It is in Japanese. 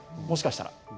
もしかしたら。